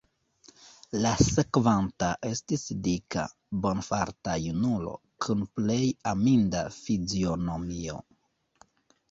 La sekvanta estis dika bonfarta junulo, kun plej aminda fizionomio.